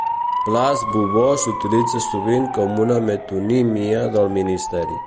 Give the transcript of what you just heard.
"Place Beauvau" s'utilitza sovint com una metonímia del ministeri.